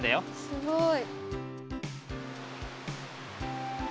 すごい。